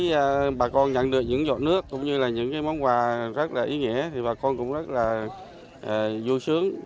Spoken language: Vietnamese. thấy bà con nhận được những giọt nước cũng như là những món quà rất là ý nghĩa thì bà con cũng rất là vui sướng